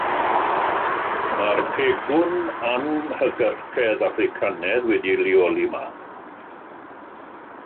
Mae'r Pegwn Anhygyrchedd Affricanaidd wedi'i leoli yma.